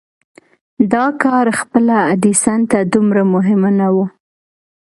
دا کار خپله ايډېسن ته دومره مهم نه و.